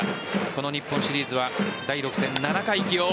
この日本シリーズは第６戦、７回起用。